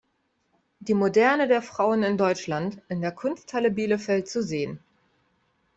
Die Moderne der Frauen in Deutschland" in der Kunsthalle Bielefeld zu sehen.